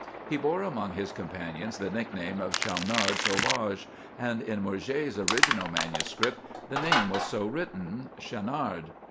He bore among his companions the nickname of Schannard sauvage, and in Murger's original manuscript the name was so written—Schannard.